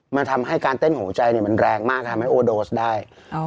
มันทำให้การเต้นหัวใจมันแรงมากทำให้โอเตอร์โดสได้